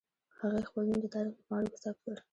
هغې خپل نوم د تاريخ په پاڼو کې ثبت کړ.